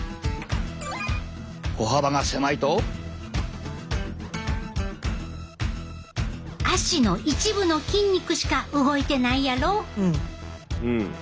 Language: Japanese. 歩幅が狭いと脚の一部の筋肉しか動いてないやろ。